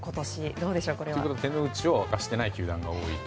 どうでしょうか。ということは手の内を明かしていない球団が多いと。